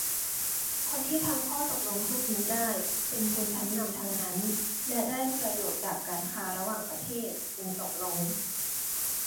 คนที่ทำข้อตกลงพวกนี้ได้ เป็นชนชั้นนำทั้งนั้น และได้ประโยชน์จากการค้าระหว่างประเทศ จึงตกลง